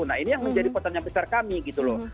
nah ini yang menjadi pertanyaan besar kami gitu loh